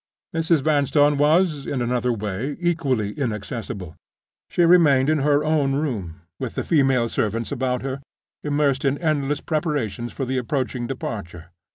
Mrs. Vanstone was, in another way, equally inaccessible. She remained in her own room, with the female servants about her, immersed in endless preparations for the approaching departure.